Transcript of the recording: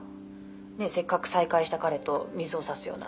「ねえせっかく再会した彼と水を差すような」